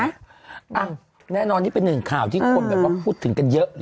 เอ้าแน่นอนนี่เป็นหนึ่งข่าวที่คนเขาก็พูดถึงกันเยอะกัน